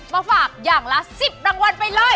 มาฝากอย่างละ๑๐รางวัลไปเลย